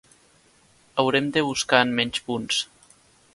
Haurem de buscar en menys punts.